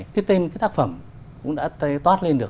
cái tên cái tác phẩm cũng đã toát lên được